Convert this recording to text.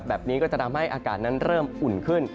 แบบนี้ก็จะทำให้อากาศนั้นเริ่มอุ่นขึ้น